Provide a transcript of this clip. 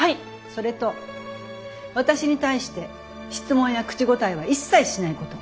それと私に対して質問や口答えは一切しないこと。